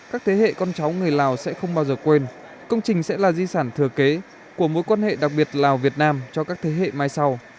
các thế hệ con cháu người lào sẽ không bao giờ quên công trình sẽ là di sản thừa kế của mối quan hệ đặc biệt lào việt nam cho các thế hệ mai sau